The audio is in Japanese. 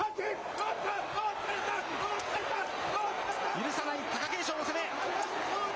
許さない貴景勝の攻め。